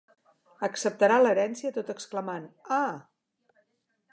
Acceptarà l'herència, tot exclamant “ah”.